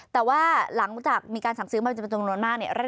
แต่ว่าหลังจากมีการสั่งซื้อมาเป็นจำนวนมากเนี่ย